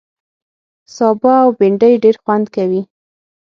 سابه او بېنډۍ ډېر خوند کوي